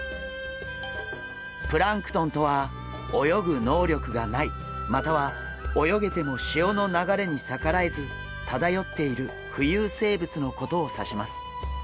プランクトンとは泳ぐ能力がないまたは泳げても潮の流れに逆らえず漂っている浮遊生物のことを指します。